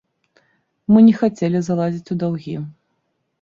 Мы не хацелі залазіць у даўгі.